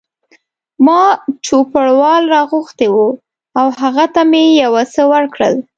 ما چوپړوال را غوښتی و او هغه ته مې یو څه ورکړل.